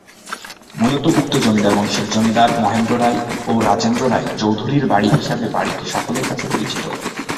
মূলত উক্ত জমিদার বংশের জমিদার মহেন্দ্র রায় ও রাজেন্দ্র রায় চৌধুরীর বাড়ি হিসেবে বাড়িটি সকলের কাছে পরিচিত।